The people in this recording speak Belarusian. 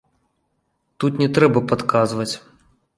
Тут не трэба падказваць.